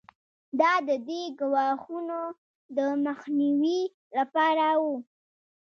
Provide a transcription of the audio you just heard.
دا د دې ګواښونو د مخنیوي لپاره وو.